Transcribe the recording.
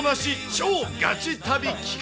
超ガチ旅企画。